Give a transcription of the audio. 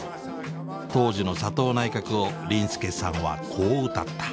当時の佐藤内閣を林助さんはこう歌った。